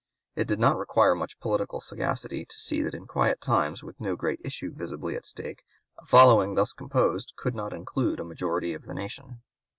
It did not require much political sagacity to see that in quiet times, with no great issue visibly at stake, a following thus composed could not include a majority of the nation.